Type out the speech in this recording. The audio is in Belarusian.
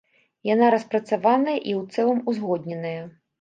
Яна распрацаваная і ў цэлым узгодненая.